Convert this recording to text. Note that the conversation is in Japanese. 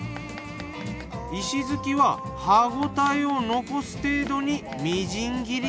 石づきは歯応えを残す程度にみじん切りに。